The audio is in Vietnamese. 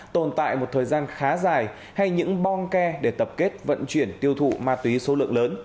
tồn tại một thời gian khá dài hay những bong ke để tập kết vận chuyển tiêu thụ ma túy số lượng lớn